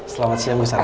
selamat siang bu sara